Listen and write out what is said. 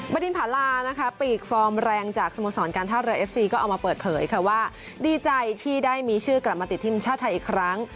ดินผาลานะคะปีกฟอร์มแรงจากสโมสรการท่าเรือเอฟซีก็เอามาเปิดเผยค่ะว่าดีใจที่ได้มีชื่อกลับมาติดทีมชาติไทยอีกครั้ง